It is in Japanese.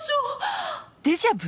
デジャブ！？